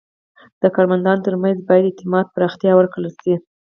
د کارمندانو ترمنځ باید اعتماد ته پراختیا ورکړل شي.